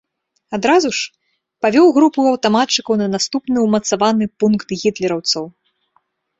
Адразу ж, павёў групу аўтаматчыкаў на наступны ўмацаваны пункт гітлераўцаў.